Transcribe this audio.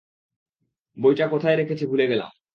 বইটা কোথায় রেখেছি ভুলে গেলাম।